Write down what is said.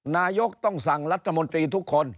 นายกต้องสั่งรัฐมนตรีทุกคน